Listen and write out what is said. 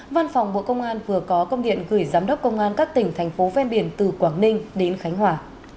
văn phòng bộ công an vừa có công điện gửi giám đốc công an các tỉnh thành phố ven biển từ quảng ninh đến khánh hòa